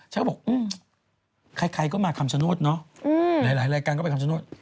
ฉันก็บอกใครก็มาคำชโนธหลายรายการก็ไปคำชโนธ